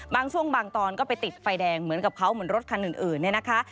บางช่วงบางตอนก็ไปติดไฟแดงเหมือนกับเขาเหมือนรถคันอื่นเนี่ยนะคะ